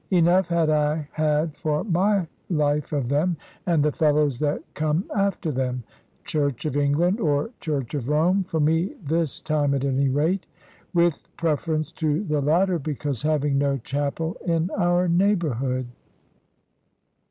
Enough had I had for my life of them, and the fellows that come after them: Church of England, or Church of Rome, for me this time at any rate; with preference to the latter because having no chapel in our neighbourhood.